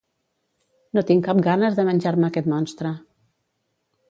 No tinc cap ganes de menjar-me aquest monstre.